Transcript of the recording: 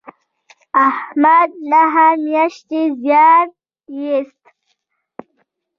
احمد نهه میاشتې زیار ایست.